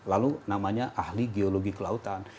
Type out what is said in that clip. lalu namanya ahli geologi kelautan